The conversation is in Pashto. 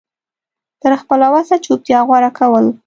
تر خپله وسه چوپتيا غوره کول